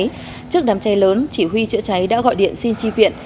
trước đám cháy lớn chỉ huy chữa cháy đã gọi điện xin tri viện